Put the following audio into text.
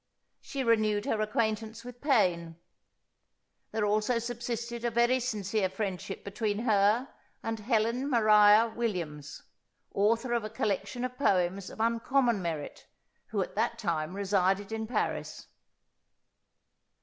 She renewed her acquaintance with Paine. There also subsisted a very sincere friendship between her and Helen Maria Williams, author of a collection of poems of uncommon merit, who at that time resided in Paris.